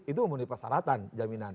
itu memenuhi persyaratan jaminan